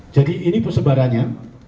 jadi ini pesebarannya